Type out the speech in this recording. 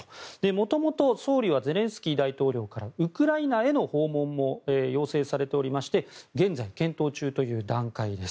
もともと総理はゼレンスキー大統領からウクライナへの訪問も要請されておりまして現在、検討中という段階です。